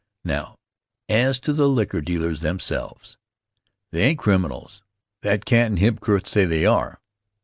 Now, as to the liquor dealers themselves. They ain't the criminals that cantin' hypocrites say they are.